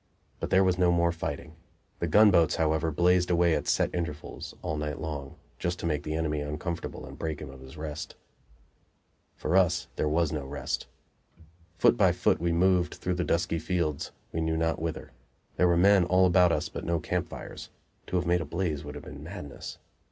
But there was no more fighting. The gunboats, however, blazed away at set intervals all night long, just to make the enemy uncomfortable and break him of his rest. For us there was no rest. Foot by foot we moved through the dusky fields, we knew not whither. There were men all about us, but no camp fires; to have made a blaze would have been madness.